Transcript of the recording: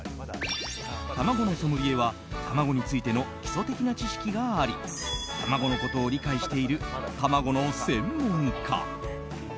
タマゴのソムリエは卵についての基礎的な知識があり卵のことを理解している卵の専門家。